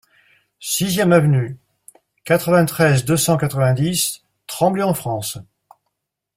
Sixième Avenue, quatre-vingt-treize, deux cent quatre-vingt-dix Tremblay-en-France